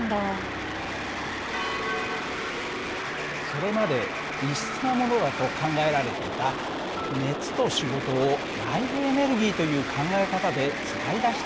それまで異質なものだと考えられていた熱と仕事を内部エネルギーという考え方でつないだ人たちがいます。